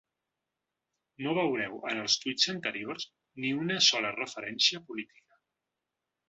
No veureu en els tuits anteriors ni una sola referencia política.